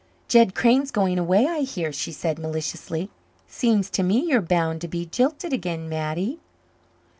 "Jed Crane's going away, I hear," she said maliciously. "Seems to me you're bound to be jilted again, Mattie."